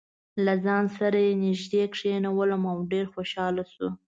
له ځان سره یې نژدې کېنولم او ډېر خوشاله شو.